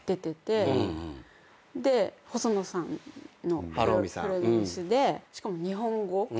で細野さんのプロデュースでしかも日本語。